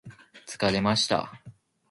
疲れました